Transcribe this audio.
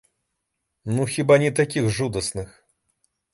Ну, хіба, не такіх жудасных.